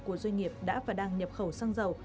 của doanh nghiệp đã và đang nhập khẩu xăng dầu